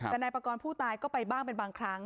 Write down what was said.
แต่ในปากรผู้ตายก็ไปบ้างก็ไปบ้างครั้ง